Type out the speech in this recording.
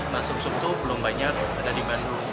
nah sum sum sum belum banyak ada di bandung